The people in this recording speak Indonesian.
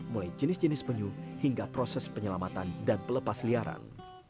mulai jenis jenis penyu hingga proses penyelamatan dan pelepasliaran